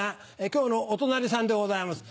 今日のお隣さんでございます。